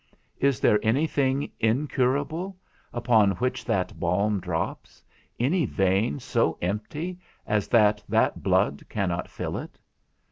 Is there any thing incurable, upon which that balm drops? Any vein so empty as that that blood cannot fill it?